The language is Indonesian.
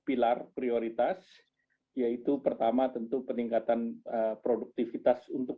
mendukung ini ada lima pilar prioritas yaitu pertama tentu peningkatan produktivitas untuk